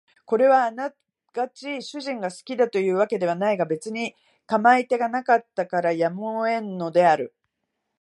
これはあながち主人が好きという訳ではないが別に構い手がなかったからやむを得んのである